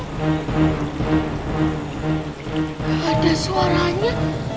gak ada suaranya